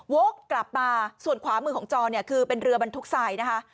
โว๊กกลับมาส่วนขวามือของจอคือเป็นเรือบรรทุกไซด์นะคะ